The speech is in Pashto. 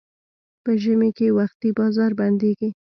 په ژمي کې وختي بازار بندېږي.